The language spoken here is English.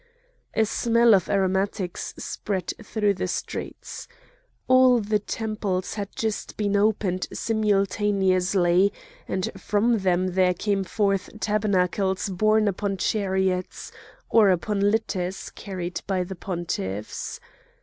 A smell of aromatics spread through the streets. All the temples had just been opened simultaneously, and from them there came forth tabernacles borne upon chariots, or upon litters carried by the pontiffs.